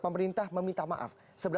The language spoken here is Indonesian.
pemerintah meminta maaf